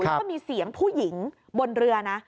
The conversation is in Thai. แล้วก็มีเสียงผู้หญิงบนเรือนะ